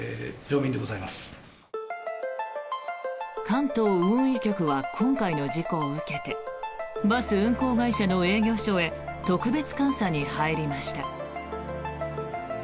関東運輸局は今回の事故を受けてバス運行会社の営業所へ特別監査に入りました。